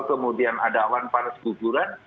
kemudian ada awan panas guguran